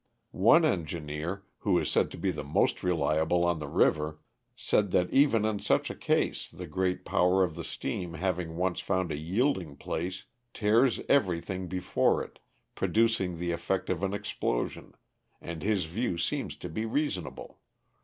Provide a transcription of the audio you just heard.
One engi neer, who is said to be the most reliable on the river, said that even in such a case the great power of the steam having once found a yielding place tears everything before it, producing the effect of an explosion, and his view seems to be reasonable.